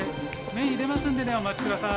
麺ゆでますんでねお待ち下さい。